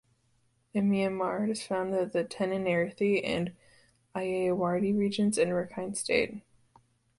In Myanmar it is found in the Tanintharyi and Ayeyarwady Regions and Rakhine State.